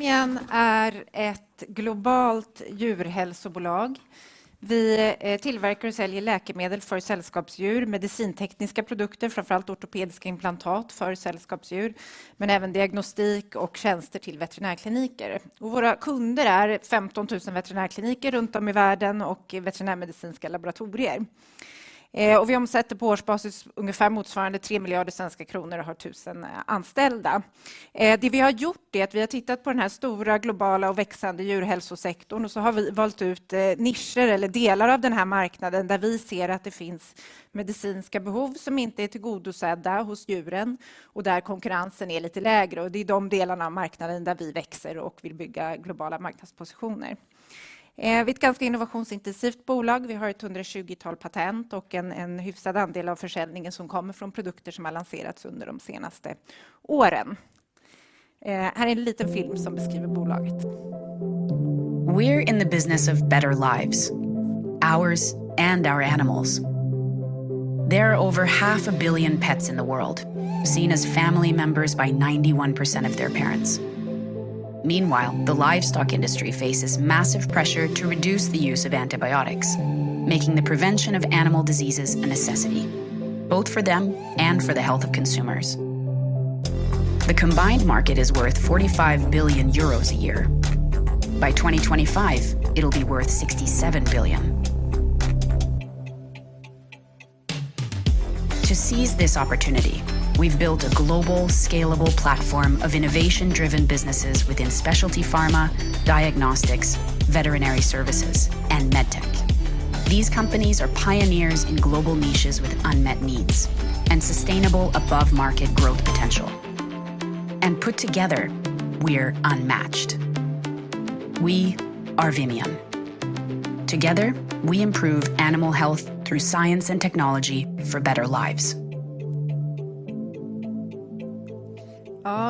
Vimian är ett globalt djurhälsobolag. Vi tillverkar och säljer läkemedel för sällskapsdjur, medicintekniska produkter, framför allt ortopediska implantat för sällskapsdjur, men även diagnostik och tjänster till veterinärkliniker. Våra kunder är 15,000 veterinärkliniker runt om i världen och veterinärmedicinska laboratorier. Vi omsätter på årsbasis ungefär motsvarande SEK 3 billion och har 1,000 anställda. Det vi har gjort är att vi har tittat på den här stora globala och växande djurhälsosektorn och så har vi valt ut nischer eller delar av den här marknaden där vi ser att det finns medicinska behov som inte är tillgodosedda hos djuren och där konkurrensen är lite lägre. Det är de delarna av marknaden där vi växer och vill bygga globala marknadspositioner. Vi är ett ganska innovationsintensivt bolag. Vi har ett 120-tal patent och en hyfsad andel av försäljningen som kommer från produkter som har lanserats under de senaste åren. Här är en liten film som beskriver bolaget. We're in the business of better lives, ours and our animals. There are over half a billion pets in the world, seen as family members by 91% of their parents. Meanwhile, the livestock industry faces massive pressure to reduce the use of antibiotics, making the prevention of animal diseases a necessity, both for them and for the health of consumers. The combined market is worth EUR 45 billion a year. By 2025, it'll be worth EUR 67 billion. To seize this opportunity, we've built a global scalable platform of innovation-driven businesses within Specialty Pharma, diagnostics, Veterinary Services and MedTech. These companies are pioneers in global niches with unmet needs and sustainable above market growth potential. Put together, we're unmatched. We are Vimian. Together, we improve animal health through science and technology for better lives.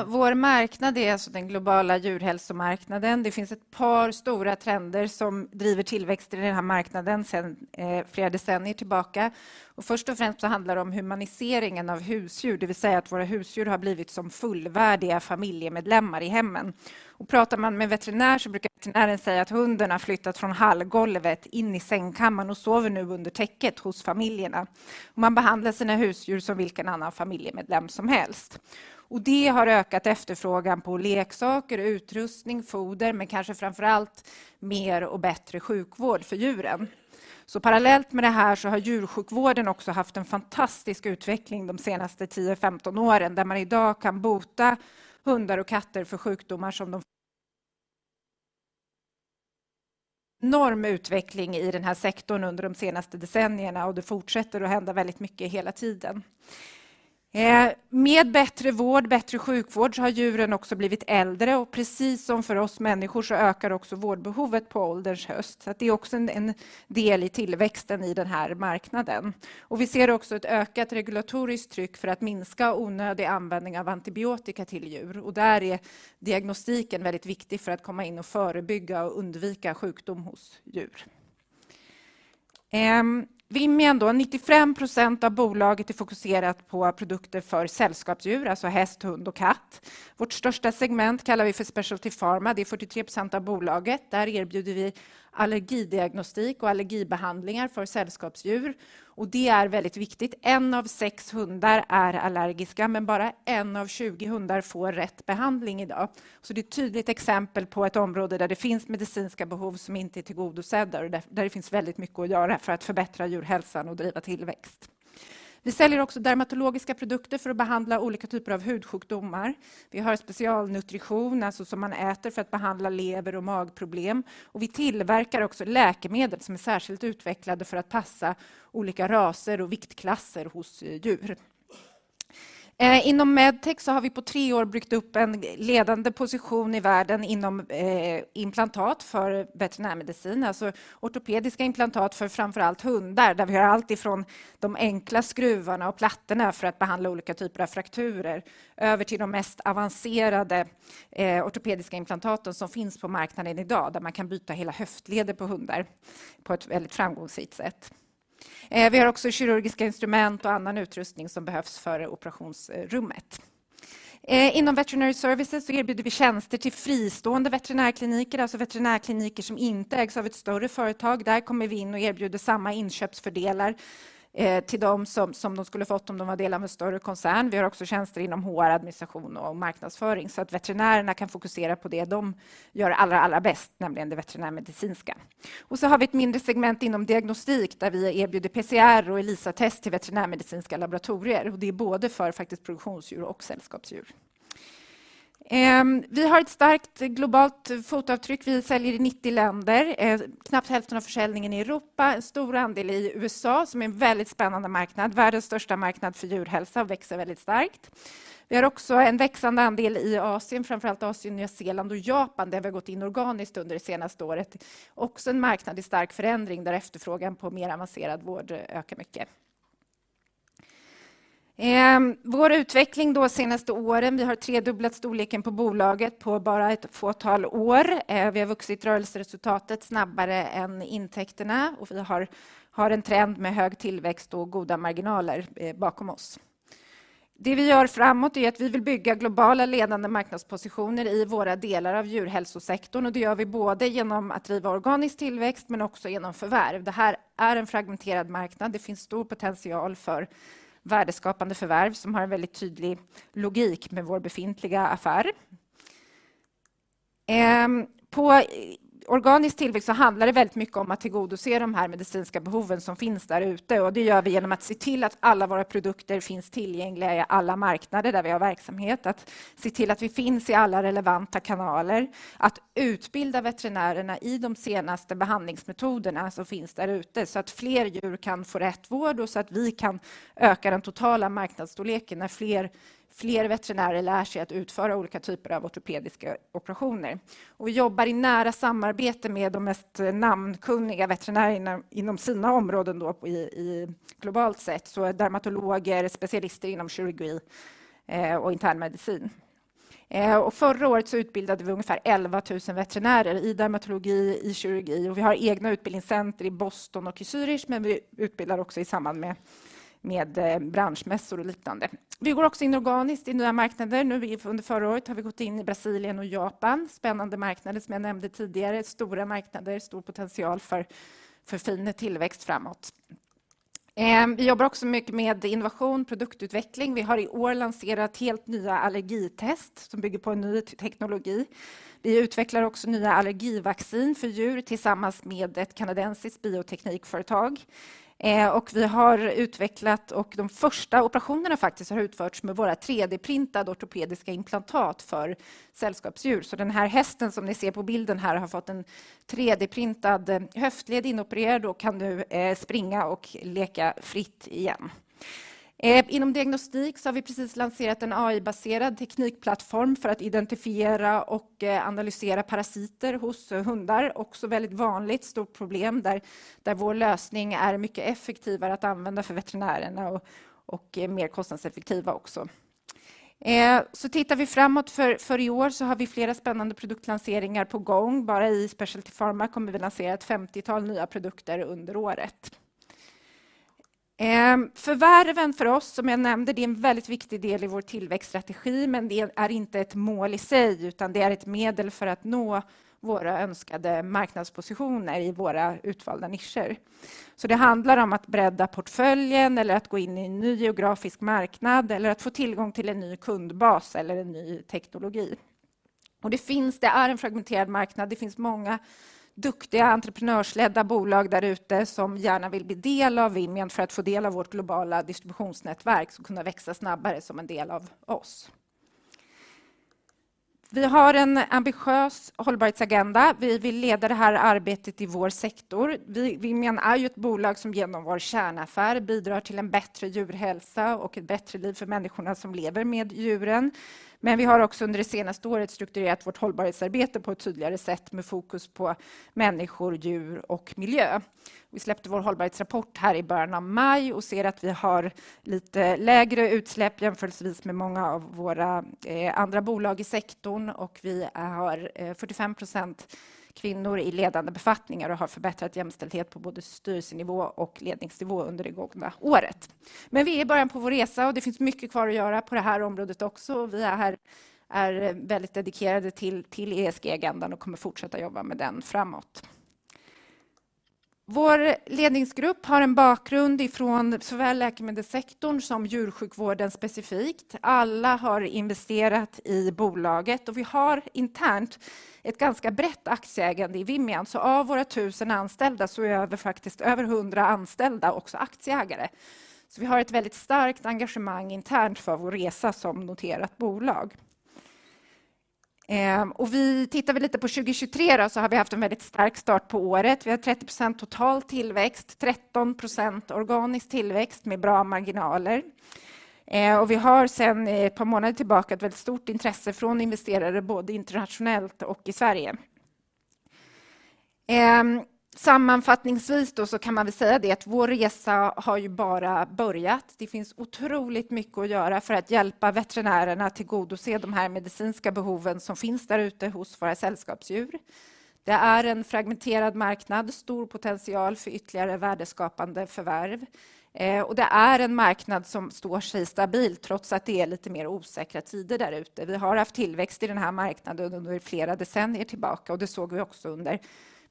Vår marknad är alltså den globala djurhälsomarknaden. Det finns ett par stora trender som driver tillväxt i den här marknaden sedan flera decennier tillbaka. Först och främst handlar det om humaniseringen av husdjur, det vill säga att våra husdjur har blivit som fullvärdiga familjemedlemmar i hemmen. Pratar man med veterinär så brukar veterinären säga att hunden har flyttat från hallgolvet in i sängkammaren och sover nu under täcket hos familjerna. Man behandlar sina husdjur som vilken annan familjemedlem som helst. Det har ökat efterfrågan på leksaker, utrustning, foder, men kanske framför allt mer och bättre sjukvård för djuren. Parallellt med det här så har djursjukvården också haft en fantastisk utveckling de senaste 10, 15 åren, där man i dag kan bota hundar och katter för sjukdomar som de... Enorm utveckling i den här sektorn under de senaste decennierna och det fortsätter att hända väldigt mycket hela tiden. Med bättre vård, bättre sjukvård har djuren också blivit äldre och precis som för oss människor så ökar också vårdbehovet på ålderns höst. Det är också en del i tillväxten i den här marknaden. Vi ser också ett ökat regulatoriskt tryck för att minska onödig användning av antibiotika till djur. Där är diagnostiken väldigt viktig för att komma in och förebygga och undvika sjukdom hos djur. Vimian då, 95% av bolaget är fokuserat på produkter för sällskapsdjur, alltså häst, hund och katt. Vårt största segment kallar vi för Specialty Pharma. Det är 43% av bolaget. Där erbjuder vi allergidiagnostik och allergibehandlingar för sällskapsdjur. Det är väldigt viktigt. En av 6 hundar är allergiska, men bara en av 20 hundar får rätt behandling i dag. Det är ett tydligt exempel på ett område där det finns medicinska behov som inte är tillgodosedda och där det finns väldigt mycket att göra för att förbättra djurhälsan och driva tillväxt. Vi säljer också dermatologiska produkter för att behandla olika typer av hudsjukdomar. Vi har specialnutrition, alltså som man äter för att behandla lever- och magproblem. Vi tillverkar också läkemedel som är särskilt utvecklade för att passa olika raser och viktklasser hos djur. Inom MedTech har vi på 3 år byggt upp en ledande position i världen inom implantat för veterinärmedicin, alltså ortopediska implantat för framför allt hundar, där vi har alltifrån de enkla skruvarna och plattorna för att behandla olika typer av frakturer över till de mest avancerade ortopediska implantaten som finns på marknaden i dag, där man kan byta hela höftleder på hundar på ett väldigt framgångsrikt sätt. Vi har också kirurgiska instrument och annan utrustning som behövs för operationsrummet. Inom Veterinary Services erbjuder vi tjänster till fristående veterinärkliniker, alltså veterinärkliniker som inte ägs av ett större företag. Där kommer vi in och erbjuder samma inköpsfördelar till dem som de skulle fått om de var del av en större koncern. Vi har också tjänster inom HR, administration och marknadsföring så att veterinärerna kan fokusera på det de gör allra bäst, nämligen det veterinärmedicinska. Har vi ett mindre segment inom diagnostik där vi erbjuder PCR och ELISA-test till veterinärmedicinska laboratorier. Det är både för faktiskt produktionsdjur och sällskapsdjur. Vi har ett starkt globalt fotavtryck. Vi säljer i 90 länder, knappt hälften av försäljningen i Europa, en stor andel i USA som är en väldigt spännande marknad, världens största marknad för djurhälsa växer väldigt starkt. Vi har också en växande andel i Asien, framför allt Asien, Nya Zeeland och Japan, där vi har gått in organiskt under det senaste året. En marknad i stark förändring där efterfrågan på mer avancerad vård ökar mycket. Vår utveckling då senaste åren, vi har tredubblat storleken på bolaget på bara ett fåtal år. Vi har vuxit rörelseresultatet snabbare än intäkterna och vi har en trend med hög tillväxt och goda marginaler bakom oss. Det vi gör framåt är att vi vill bygga globala ledande marknadspositioner i våra delar av djurhälsosektorn. Det gör vi både genom att driva organisk tillväxt men också genom förvärv. Det här är en fragmenterad marknad. Det finns stor potential för värdeskapande förvärv som har en väldigt tydlig logik med vår befintliga affär. På organisk tillväxt så handlar det väldigt mycket om att tillgodose de här medicinska behoven som finns där ute. Det gör vi genom att se till att alla våra produkter finns tillgängliga i alla marknader där vi har verksamhet. Att se till att vi finns i alla relevanta kanaler, att utbilda veterinärerna i de senaste behandlingsmetoderna som finns där ute så att fler djur kan få rätt vård och så att vi kan öka den totala marknadsstorleken när fler veterinärer lär sig att utföra olika typer av ortopediska operationer. Vi jobbar i nära samarbete med de mest namnkunniga veterinärerna inom sina områden i globalt sett. Dermatologer, specialister inom kirurgi och internmedicin. Förra året så utbildade vi ungefär 11,000 veterinärer i dermatologi, i kirurgi och vi har egna utbildningscenter i Boston och i Zürich, men vi utbildar också i samband med branschmässor och liknande. Vi går också in organiskt i nya marknader. Nu under förra året har vi gått in i Brasilien och Japan. Spännande marknader som jag nämnde tidigare. Stora marknader, stor potential för fin tillväxt framåt. Vi jobbar också mycket med innovation, produktutveckling. Vi har i år lanserat helt nya allergitest som bygger på en ny teknologi. Vi utvecklar också nya allergivaccin för djur tillsammans med ett kanadensiskt bioteknikföretag. Och vi har utvecklat och de första operationerna faktiskt har utförts med våra 3D-printade ortopediska implantat för sällskapsdjur. Så den här hästen som ni ser på bilden här har fått en 3D-printad höftled inopererad och kan nu springa och leka fritt igen. Inom diagnostik så har vi precis lanserat en AI-baserad teknikplattform för att identifiera och analysera parasiter hos hundar. Också väldigt vanligt, stort problem där vår lösning är mycket effektivare att använda för veterinärerna och mer kostnadseffektiva också. Tittar vi framåt för i år så har vi flera spännande produktlanseringar på gång. Bara i Specialty Pharma kommer vi lansera 50 nya produkter under året. Förvärven för oss som jag nämnde, det är en väldigt viktig del i vår tillväxtstrategi, men det är inte ett mål i sig, utan det är ett medel för att nå våra önskade marknadspositioner i våra utvalda nischer. Det handlar om att bredda portföljen eller att gå in i en ny geografisk marknad eller att få tillgång till en ny kundbas eller en ny teknologi. Det är en fragmenterad marknad. Det finns många duktiga entreprenörsledda bolag där ute som gärna vill bli del av Vimian för att få del av vårt globala distributionsnätverk och kunna växa snabbare som en del av oss. Vi har en ambitiös hållbarhetsagenda. Vi vill leda det här arbetet i vår sektor. Vi, Vimian är ju ett bolag som genom vår kärnaffär bidrar till en bättre djurhälsa och ett bättre liv för människorna som lever med djuren. Vi har också under det senaste året strukturerat vårt hållbarhetsarbete på ett tydligare sätt med fokus på människor, djur och miljö. Vi släppte vår hållbarhetsrapport här i början av maj och ser att vi har lite lägre utsläpp jämförelsevis med många av våra andra bolag i sektorn och vi har 45% kvinnor i ledande befattningar och har förbättrat jämställdhet på både styrelsenivå och ledningsnivå under det gångna året. Vi är i början på vår resa och det finns mycket kvar att göra på det här området också. Vi är här, är väldigt dedikerade till ESG-agendan och kommer fortsätta jobba med den framåt. Vår ledningsgrupp har en bakgrund ifrån såväl läkemedelssektorn som djursjukvården specifikt. Alla har investerat i bolaget och vi har internt ett ganska brett aktieägande i Vimian. Av våra 1,000 anställda så är vi faktiskt över 100 anställda också aktieägare. Vi har ett väldigt starkt engagemang internt för vår resa som noterat bolag. Vi tittar väl lite på 2023 då så har vi haft en väldigt stark start på året. Vi har 30% total tillväxt, 13% organisk tillväxt med bra marginaler. Vi har sedan ett par månader tillbaka ett väldigt stort intresse från investerare, både internationellt och i Sverige. Sammanfattningsvis då kan man väl säga det att vår resa har ju bara börjat. Det finns otroligt mycket att göra för att hjälpa veterinärerna tillgodose de här medicinska behoven som finns där ute hos våra sällskapsdjur. Det är en fragmenterad marknad, stor potential för ytterligare värdeskapande förvärv. Det är en marknad som står sig stabil trots att det är lite mer osäkra tider där ute. Vi har haft tillväxt i den här marknaden under flera decennier tillbaka och det såg vi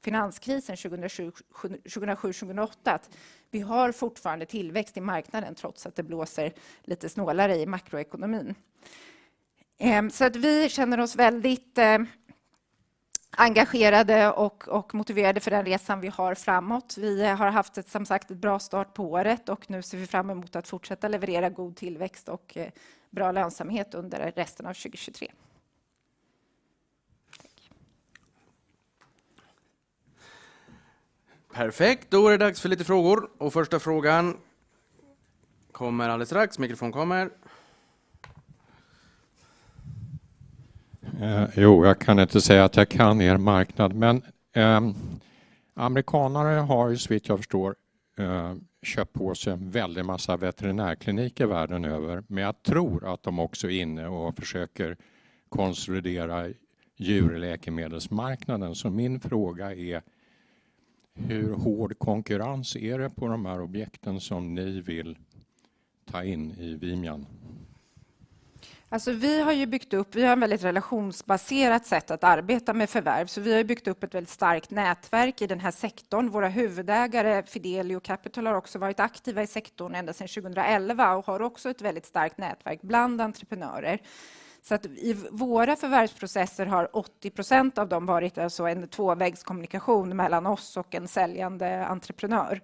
också under finanskrisen 2007-2008 att vi har fortfarande tillväxt i marknaden trots att det blåser lite snålare i makroekonomin. Vi känner oss väldigt engagerade och motiverade för den resan vi har framåt. Vi har haft som sagt, ett bra start på året och nu ser vi fram emot att fortsätta leverera god tillväxt och bra lönsamhet under resten av 2023. Perfekt. Är det dags för lite frågor och första frågan kommer alldeles strax. Mikrofon kommer. Jag kan inte säga att jag kan er marknad, men amerikanare har såvitt jag förstår, köpt på sig en väldig massa veterinärkliniker världen över, men jag tror att de också är inne och försöker konsolidera djurläkemedelsmarknaden. Min fråga är Hur hård konkurrens är det på de här objekten som ni vill ta in i Vimian? Vi har ju byggt upp, vi har ett väldigt relationsbaserat sätt att arbeta med förvärv. Vi har ju byggt upp ett väldigt starkt nätverk i den här sektorn. Våra huvudägare, Fidelio Capital, har också varit aktiva i sektorn ända sedan 2011 och har också ett väldigt starkt nätverk bland entreprenörer. I våra förvärvsprocesser har 80% av dem varit alltså en tvåvägskommunikation mellan oss och en säljande entreprenör.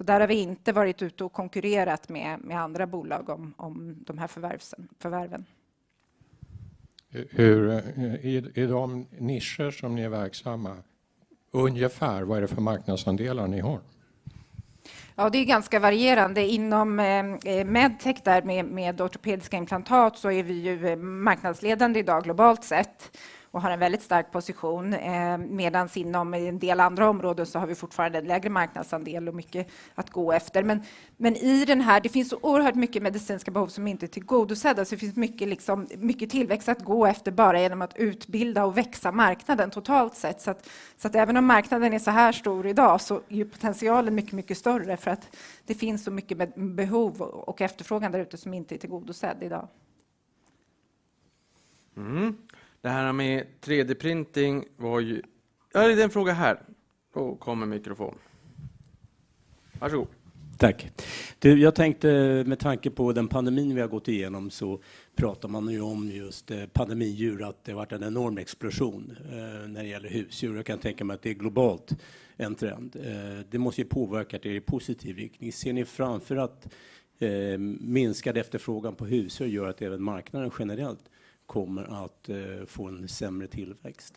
Där har vi inte varit ute och konkurrerat med andra bolag om de här förvärven. Hur, i de nischer som ni är verksamma, ungefär vad är det för marknadsandelar ni har? Det är ganska varierande. Inom MedTech där med ortopediska implantat så är vi ju marknadsledande i dag globalt sett och har en väldigt stark position. Inom en del andra områden så har vi fortfarande en lägre marknadsandel och mycket att gå efter. I den här, det finns så oerhört mycket medicinska behov som inte är tillgodosedda. Det finns mycket liksom, mycket tillväxt att gå efter bara genom att utbilda och växa marknaden totalt sett. Även om marknaden är såhär stor i dag så är ju potentialen mycket större för att det finns så mycket behov och efterfrågan där ute som inte är tillgodosedd i dag. Det här med 3D-printing var ju. Det är en fråga här. Då kommer mikrofon. Varsågod. Tack. Du jag tänkte med tanke på den pandemin vi har gått igenom så pratar man ju om just pandemidjur, att det har varit en enorm explosion när det gäller husdjur. Jag kan tänka mig att det är globalt en trend. Det måste ju påverka till positiv riktning. Ser ni framför att minskad efterfrågan på husdjur gör att även marknaden generellt kommer att få en sämre tillväxt?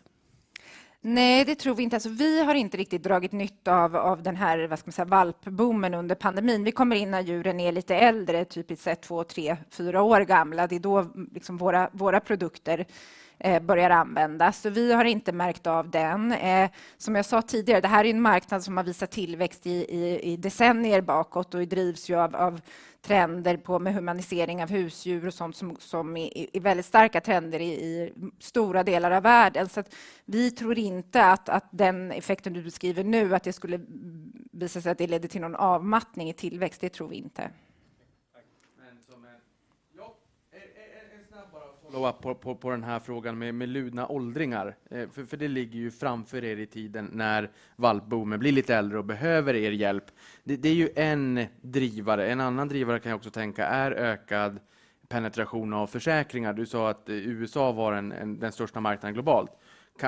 Nej, det tror vi inte. Alltså vi har inte riktigt dragit nytta av den här, vad ska man säga, valpboomen under pandemin. Vi kommer in när djuren är lite äldre, typiskt sett två, tre, fyra år gamla. Det är då liksom våra produkter börjar användas. Så vi har inte märkt av den. Som jag sa tidigare, det här är ju en marknad som har visat tillväxt i decennier bakåt och drivs ju av trender på humanisering av husdjur och sånt som är väldigt starka trender i stora delar av världen. Vi tror inte att den effekten du beskriver nu, att det skulle visa sig att det leder till någon avmattning i tillväxt. Det tror vi inte. Tack. Som en snabb bara follow up på den här frågan med ludna åldringar. Det ligger ju framför er i tiden när valpboomen blir lite äldre och behöver er hjälp. Det är ju en drivare. En annan drivare kan jag också tänka är ökad penetration av försäkringar. Du sa att USA var den största marknaden globalt.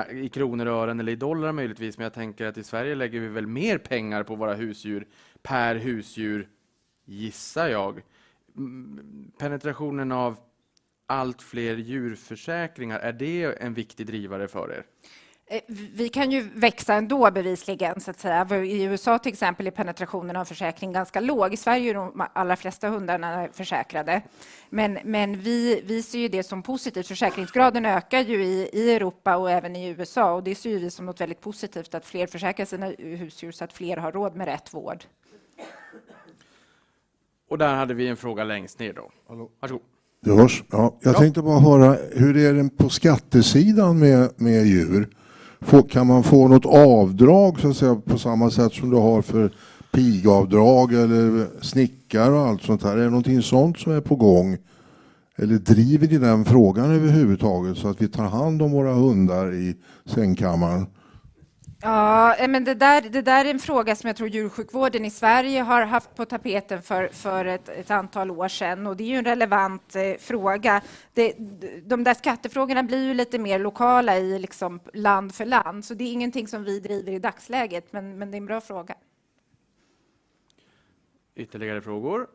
I kronor och ören eller i U.S. dollars möjligtvis, men jag tänker att i Sverige lägger vi väl mer pengar på våra husdjur per husdjur gissar jag. Penetrationen av allt fler djurförsäkringar, är det en viktig drivare för er? Vi kan ju växa ändå bevisligen så att säga. I U.S. till exempel är penetrationen av försäkring ganska låg. I Sverige är de allra flesta hundarna försäkrade. Vi ser ju det som positivt. Försäkringsgraden ökar ju i Europa och även i U.S. Det ser vi som något väldigt positivt att fler försäkrar sina husdjur så att fler har råd med rätt vård. Där hade vi en fråga längst ner då. Varsågod. Jag tänkte bara höra hur är det på skattesidan med djur? Kan man få något avdrag så att säga på samma sätt som du har för pigavdrag eller snickare och allt sånt här? Är det någonting sånt som är på gång? Driver ni den frågan överhuvudtaget så att vi tar hand om våra hundar i sängkammaren? Ja, nej men det där är en fråga som jag tror djursjukvården i Sverige har haft på tapeten för ett antal år sedan. Det är ju en relevant fråga. De där skattefrågorna blir ju lite mer lokala i liksom land för land. Det är ingenting som vi driver i dagsläget. Det är en bra fråga. Ytterligare frågor?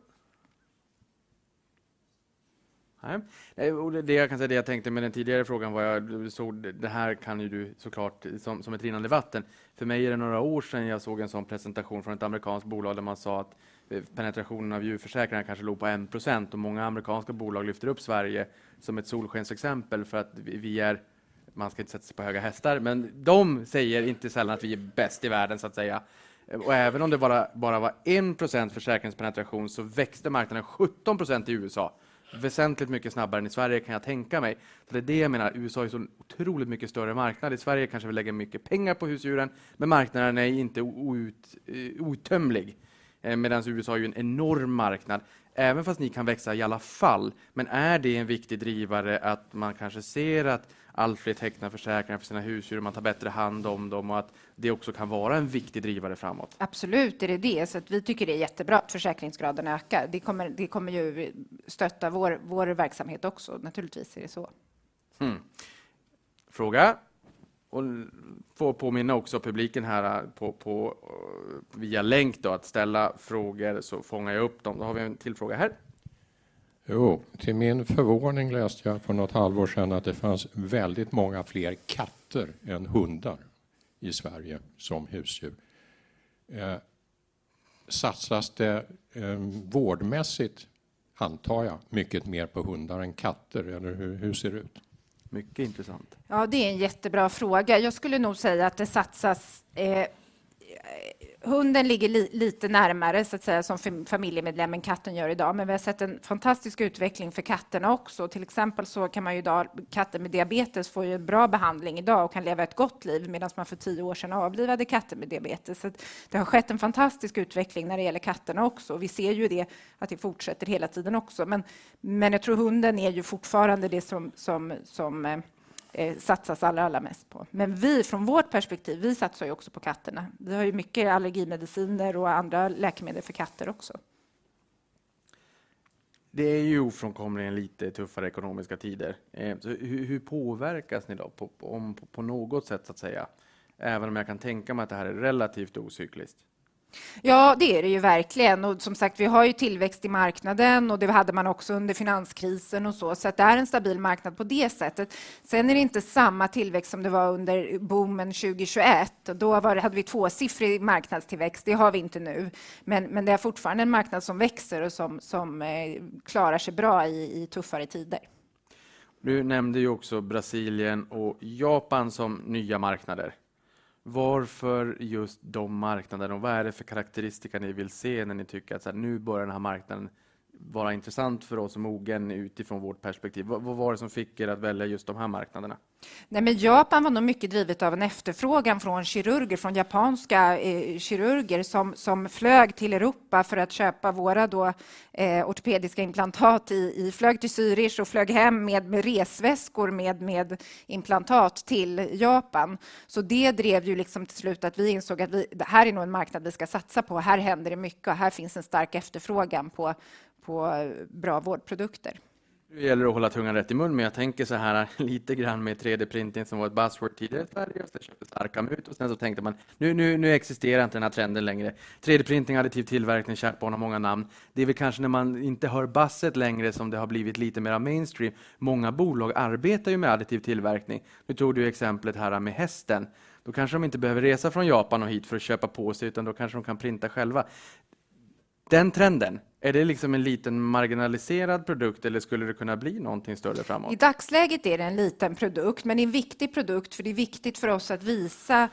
Nej. Det jag kan säga, det jag tänkte med den tidigare frågan var jag såg det här kan ju du så klart som ett rinnande vatten. För mig är det några år sedan jag såg en sådan presentation från ett amerikanskt bolag där man sa att penetrationen av djurförsäkringar kanske låg på 1% och många amerikanska bolag lyfter upp Sverige som ett solskensexempel för att vi är, man ska inte sätta sig på höga hästar, men de säger inte sällan att vi är bäst i världen så att säga. Även om det bara var 1% försäkringspenetration så växte marknaden 17% i USA. Väsentligt mycket snabbare än i Sverige kan jag tänka mig. Det är det jag menar. USA är så otroligt mycket större marknad. I Sverige kanske vi lägger mycket pengar på husdjuren, men marknaden är inte outtömlig. USA har ju en enorm marknad, även fast ni kan växa i alla fall. Är det en viktig drivare att man kanske ser att allt fler tecknar försäkringar för sina husdjur, man tar bättre hand om dem och att det också kan vara en viktig drivare framåt? Absolut är det det. Att vi tycker det är jättebra att försäkringsgraden ökar. Det kommer ju stötta vår verksamhet också. Naturligtvis är det så. Fråga. Får påminna också publiken här på via länk då att ställa frågor så fångar jag upp dem. Har vi en till fråga här. Till min förvåning läste jag för något halvår sedan att det fanns väldigt många fler katter än hundar i Sverige som husdjur. Satsas det vårdmässigt antar jag mycket mer på hundar än katter? Eller hur ser det ut? Mycket intressant. Ja, det är en jättebra fråga. Jag skulle nog säga att det satsas Hunden ligger lite närmare, så att säga, som familjemedlem än katten gör i dag. Vi har sett en fantastisk utveckling för katterna också. Till exempel så kan man ju i dag, katter med diabetes får ju en bra behandling i dag och kan leva ett gott liv medans man för 10 år sedan avlivade katter med diabetes. Det har skett en fantastisk utveckling när det gäller katterna också. Vi ser ju det att det fortsätter hela tiden också. Jag tror hunden är ju fortfarande det som satsas allra mest på. Vi från vårt perspektiv, vi satsar ju också på katterna. Vi har ju mycket allergimediciner och andra läkemedel för katter också. Det är ju ofrånkomligen lite tuffare ekonomiska tider. Hur påverkas ni då på något sätt så att säga? Även om jag kan tänka mig att det här är relativt ocykliskt. Ja, det är det ju verkligen. Som sagt, vi har ju tillväxt i marknaden och det hade man också under finanskrisen och så. Det är en stabil marknad på det sättet. Det är inte samma tillväxt som det var under boomen 2021. Då hade vi tvåsiffrig marknadstillväxt. Det har vi inte nu. Det är fortfarande en marknad som växer och som klarar sig bra i tuffare tider. Du nämnde ju också Brasilien och Japan som nya marknader. Varför just de marknaderna? Vad är det för karakteristika ni vill se när ni tycker att nu bör den här marknaden vara intressant för oss och mogen utifrån vårt perspektiv? Vad var det som fick er att välja just de här marknaderna? Japan var nog mycket drivet av en efterfrågan från kirurger, från japanska kirurger som flög till Europa för att köpa våra då ortopediska implantat, flög till Zürich och flög hem med resväskor med implantat till Japan. Det drev ju liksom till slut att vi insåg att det här är nog en marknad vi ska satsa på. Här händer det mycket och här finns en stark efterfrågan på bra vårdprodukter. Nu gäller det att hålla tungan rätt i mun, men jag tänker såhär lite grann med 3D-printing som var ett buzzword tidigare. Det köptes Arcam ut och sen så tänkte man: Nu existerar inte den här trenden längre. 3D-printing, additiv tillverkning, går under många namn. Det är väl kanske när man inte hör buzzet längre som det har blivit lite mer mainstream. Många bolag arbetar ju med additiv tillverkning. Du tog ju exemplet här med hästen. Då kanske de inte behöver resa från Japan och hit för att köpa påse, utan då kanske de kan printa själva. Den trenden, är det liksom en liten marginaliserad produkt eller skulle det kunna bli någonting större framåt? I dagsläget är det en liten produkt, men det är en viktig produkt för det är viktigt för oss att visa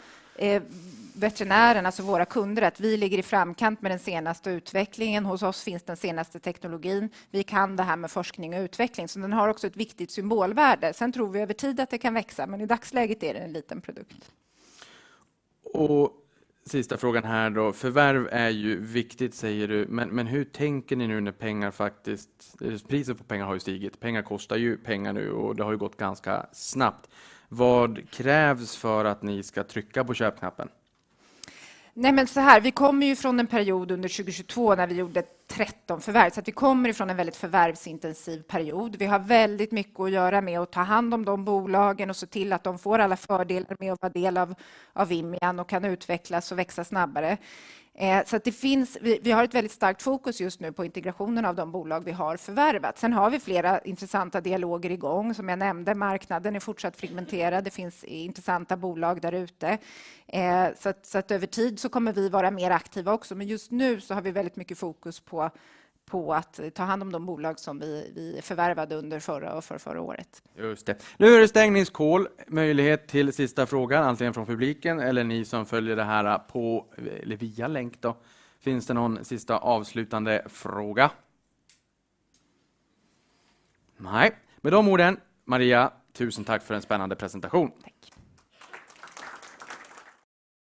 veterinärerna, alltså våra kunder, att vi ligger i framkant med den senaste utvecklingen. Hos oss finns den senaste teknologin. Vi kan det här med forskning och utveckling, så den har också ett viktigt symbolvärde. Vi tror vi över tid att det kan växa, men i dagsläget är det en liten produkt. Sista frågan här då. Förvärv är ju viktigt säger du, men hur tänker ni nu när pengar faktiskt, priset på pengar har ju stigit. Pengar kostar ju pengar nu och det har ju gått ganska snabbt. Vad krävs för att ni ska trycka på köpknappen? Nej, såhär, vi kommer ju från en period under 2022 när vi gjorde 13 förvärv. Vi kommer ifrån en väldigt förvärvsintensiv period. Vi har väldigt mycket att göra med att ta hand om de bolagen och se till att de får alla fördelar med att vara del av Vimian och kan utvecklas och växa snabbare. Det finns, vi har ett väldigt starkt fokus just nu på integrationen av de bolag vi har förvärvat. Vi har flera intressanta dialoger i gång. Som jag nämnde, marknaden är fortsatt fragmenterad. Det finns intressanta bolag där ute. Över tid så kommer vi vara mer aktiva också. Just nu så har vi väldigt mycket fokus på att ta hand om de bolag som vi förvärvade under förra och förrförra året. Just det. Nu är det stängningscall. Möjlighet till sista fråga, antingen från publiken eller ni som följer det här på eller via länk då. Finns det någon sista avslutande fråga? Nej, med de orden, Maria, tusen tack för en spännande presentation. Tack!